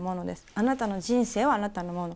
あなたの人生はあなたのもの。